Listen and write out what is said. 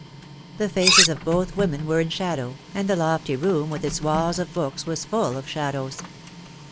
The faces of both women were in shadow, and the lofty room with its walls of books was full of shadows.